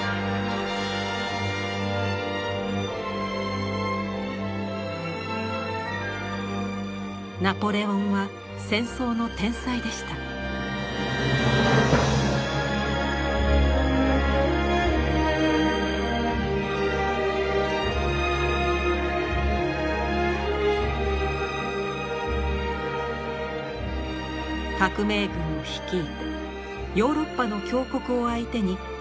革命軍を率いてヨーロッパの強国を相手に連戦連勝。